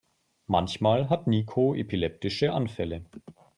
Manchmal hat Niko epileptische Anfälle.